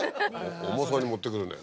重そうに持ってくるね。